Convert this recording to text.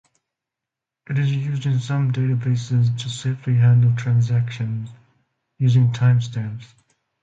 It is used in some databases to safely handle transactions, using timestamps.